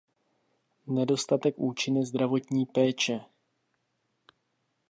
Nedostatek účinné zdravotní péče!